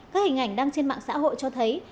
các hình ảnh đăng trên mạng xã hội cho thấy